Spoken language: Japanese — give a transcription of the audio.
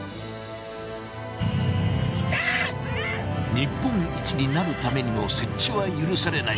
日本一になるためにも接地は許されない。